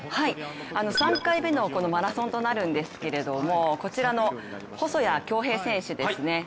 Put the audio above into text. ３回目のマラソンとなるんですけれどもこちらの細谷恭平選手ですね。